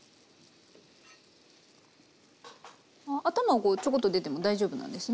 あ頭はこうちょこっと出ても大丈夫なんですね。